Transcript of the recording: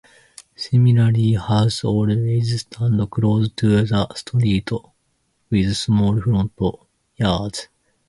Similarly, houses always stand close to the street, with small front yards.